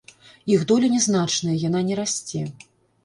Іх доля нязначная, яна не расце.